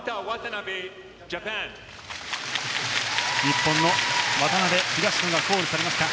日本の渡辺、東野がコールされました。